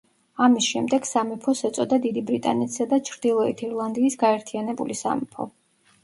ამის შემდეგ სამეფოს ეწოდა „დიდი ბრიტანეთისა და ჩრდილოეთ ირლანდიის გაერთიანებული სამეფო“.